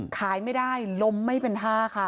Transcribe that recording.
ขายไม่ได้ล้มไม่เป็นท่าค่ะ